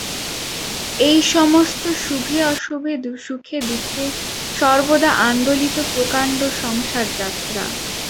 এই-সমস্ত শুভে অশুভে সুখে দুঃখে সর্বদা আন্দোলিত প্রকাণ্ড সংসারযাত্রা।